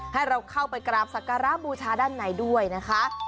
ให้เราเข้าไปกราบสักการะบูชาด้านในด้วยนะคะ